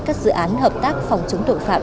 các dự án hợp tác phòng chống tội phạm